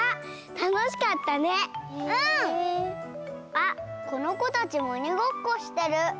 あっこの子たちもおにごっこしてる。